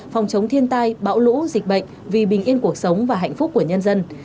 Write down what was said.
phòng chống thiên tai bão lũ dịch bệnh vì bình yên cuộc sống và hạnh phúc của nhân dân